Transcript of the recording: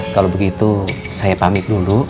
kalau begitu saya pamit dulu